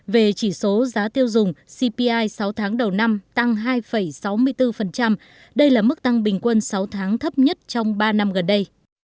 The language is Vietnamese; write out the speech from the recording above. về chỉ số giá tiêu dùng cpi sáu tháng đầu năm tăng hai sáu mươi bốn đây là mức tăng bình quân sáu tháng thấp nhất trong ba năm gần đây